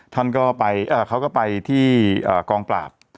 ท่านก็ไปเขาก็ไปที่กองปราบ